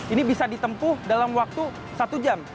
ini bisa ditempuh dalam waktu satu jam